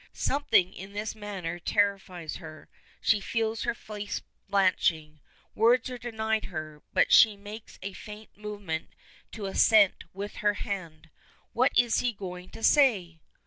Something in his manner terrifies her; she feels her face blanching. Words are denied her, but she makes a faint movement to assent with her hand. What is he going to say!